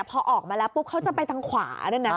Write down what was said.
พอออกมาแล้วปุ๊บเขาจะไปทางขวาด้วยนะ